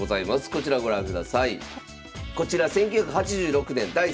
こちらご覧ください。